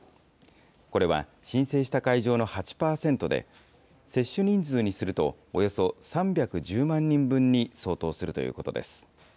これは申請した会場の８％で、接種人数にするとおよそ３１０万人分に相当するということです。